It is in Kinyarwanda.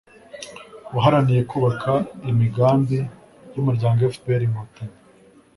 waharaniye kubaka imigambi y'umuryango fpr - inkotanyi